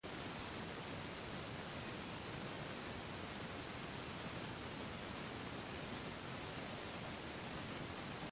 The territory under the presidency comprised only Madraspatnam and surrounding regions.